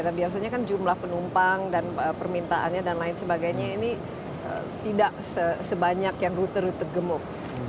dan biasanya kan jumlah penumpang dan permintaannya dan lain sebagainya ini tidak sebanyak yang rute rute gemuk